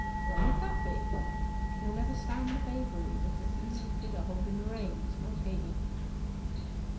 'Why mid that be?' 'He'll never stand the vagaries of the female figure holden the reins not he.